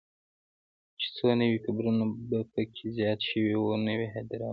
چې څو نوي قبرونه به پکې زیات شوي وو، نوې هدیره وه.